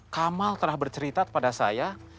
kamal telah bercerita kepada saya